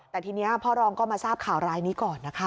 แต่ทีนี้พ่อรองก็มาทราบข่าวร้ายนี้ก่อนนะคะ